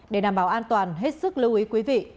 để đảm bảo an toàn hết sức lưu ý quý vị